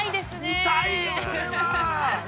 ◆みたいよ、それは。